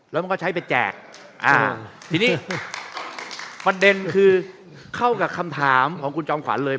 แล้วมันก็ใช้ไปแจกอ่าทีนี้ประเด็นคือเข้ากับคำถามของคุณจอมขวัญเลย